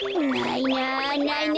ないな。